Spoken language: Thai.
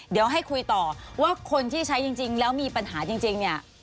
เดี๋ยวให้คุยต่อว่าคนที่ใช้จริงแล้วมีปัญหาจริงเนี่ย